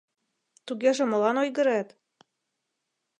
— Тугеже молан ойгырет?